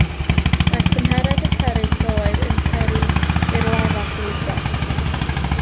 Mae tymheredd y cerrynt oer yn peri i'r lafa ffrwydro.